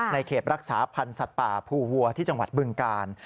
เขตรักษาพันธ์สัตว์ป่าภูวัวที่จังหวัดบึงกาล